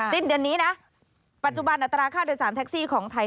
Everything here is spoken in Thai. สิ้นเดือนนี้นะปัจจุบันอัตราค่าโดยสารแท็กซี่ของไทย